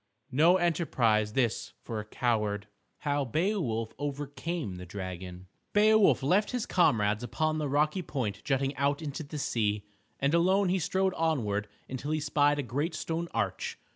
No enterprise this for a coward. III HOW BEOWULF OVERCAME THE DRAGON Beowulf left his comrades upon the rocky point jutting out into the sea, and alone he strode onward until he spied a great stone arch.